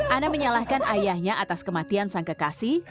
ana menyalahkan ayahnya atas kematian sang kekasih